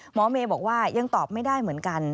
หมอเมย์บอกว่ายังตอบไม่ได้เหมือนกัน